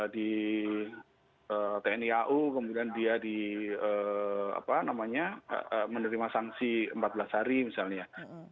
di tni au kemudian dia menerima sanksi empat belas hari misalnya